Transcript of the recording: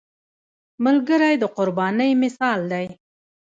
ملګری د قربانۍ مثال دی